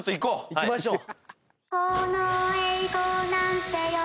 「いきましょう」